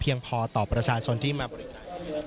เพียงพอต่อประชาชนที่มาบริจาค